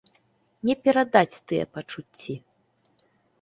Не перадаць тыя пачуцці.